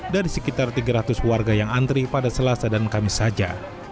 dari sekitar tiga ratus warga yang antri pada selasa dan kamis saja